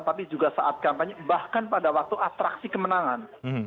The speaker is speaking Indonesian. tapi juga saat kampanye bahkan pada waktu atraksi kemenangan